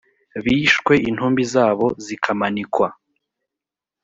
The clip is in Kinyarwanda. bishwe intumbi zabo zikamanikwa